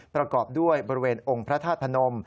ประกอบด้วยบริเวณองค์พระธาตุพนม